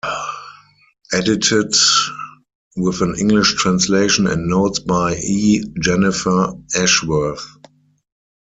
Edited with an English translation and notes by E. Jennifer Ashworth.